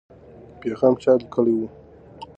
پیغام چا لیکلی و؟